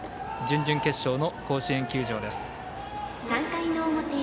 準々決勝の甲子園球場です。